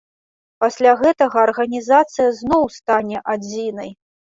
Пасля гэтага арганізацыя зноў стане адзінай.